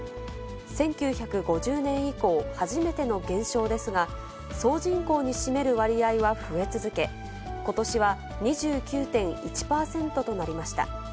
１９５０年以降、初めての減少ですが、総人口に占める割合は増え続け、ことしは２９．１％となりました。